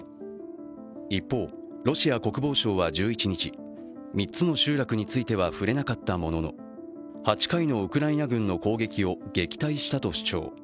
一方、ロシア国防省は１１日、３つの集落については触れなかったものの８回のウクライナ軍の攻撃を撃退したと主張。